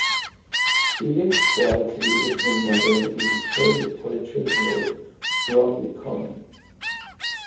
She lived quietly with her mother in Cherry Orchard Road, Bromley Common.